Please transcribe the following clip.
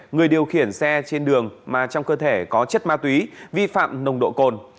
người điều khiển xe trên đường mà trong cơ thể có chất ma túy vi phạm nồng độ cồn